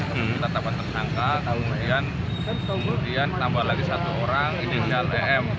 kita tetapkan tersangka kemudian tambah lagi satu orang ini tinggal em